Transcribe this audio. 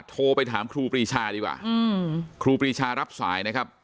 โทรไปถามครูปรีชาดีกว่าครูปรีชารับสายนะครับ